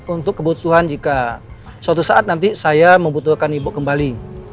untuk kebutuhan jika suatu saat nanti saya membutuhkan ibu kembali